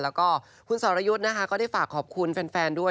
แล้วก็คุณสรยุทธ์นะคะก็ได้ฝากขอบคุณแฟนด้วย